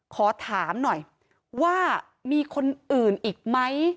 ขอถามหน่อยว่ามีคนอื่นอีกไหม